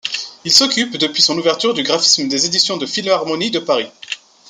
Il s’occupe, depuis son ouverture, du graphisme des éditions de la Philharmonie de Paris.